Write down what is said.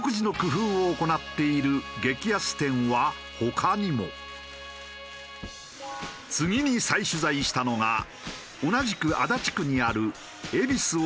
そんな次に再取材したのが同じく足立区にある。